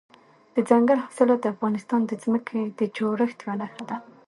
دځنګل حاصلات د افغانستان د ځمکې د جوړښت یوه نښه ده.